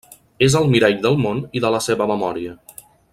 És el mirall del món i de la seva memòria.